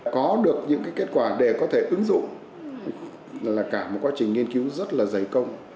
có được những kết quả để có thể ứng dụng là cả một quá trình nghiên cứu rất là dày công